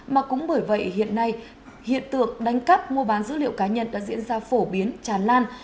mà cũng bởi vậy hiện nay hiện tượng đánh cắp mua bán dữ liệu cá nhân đã diễn ra phổ biến tràn lan